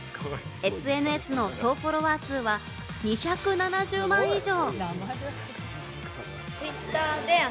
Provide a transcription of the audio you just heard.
ＳＮＳの総フォロワー数は２７０万以上！